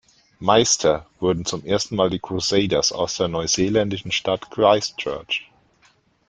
Meister wurden zum ersten Mal die Crusaders aus der neuseeländischen Stadt Christchurch.